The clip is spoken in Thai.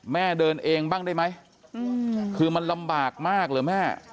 เดินเองบ้างได้ไหมคือมันลำบากมากเหรอแม่